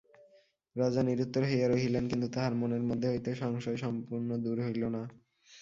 রাজা নিরুত্তর হইয়া রহিলেন কিন্তু তাঁহার মনের মধ্য হইতে সংশয় সম্পূর্ণ দূর হইল না।